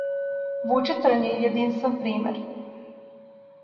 Вучитрн је јединствен пример.